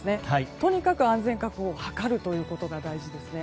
とにかく安全確保を図るということですね。